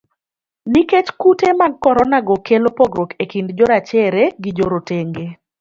Nikech kute mag korona go kelo pogruok e kind jorachere gi jorotenge.